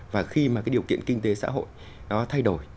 và khi mà cái điều kiện kinh tế xã hội nó thay đổi